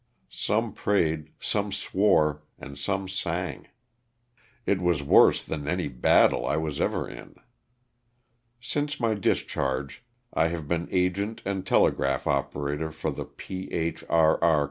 Some prayed, some swore and some sang. It was worse than any battle I was ever in. Since my discharge I have been agent and telegraph operator for the P. H. R. R. Co.